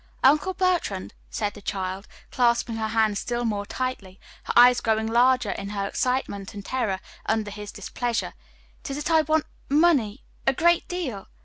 "Uncle Bertrand," said the child, clasping her hands still more tightly, her eyes growing larger in her excitement and terror under his displeasure, "it is that I want money a great deal.